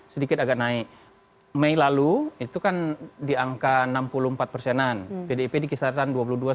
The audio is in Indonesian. sedikit agak naik mei lalu itu kan diangka enam puluh empat persenan pdip dikisaran